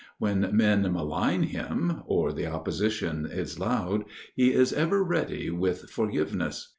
When men malign him, or the opposition's loud, he is ever ready with forgiveness.